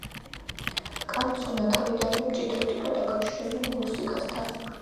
კანცონა თავიდანვე მჭიდროდ იყო დაკავშირებული მუსიკასთან.